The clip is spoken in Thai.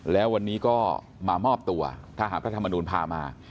แล้ววันนี้ก็มามอบตัวทหารพระธรรมนูลพามา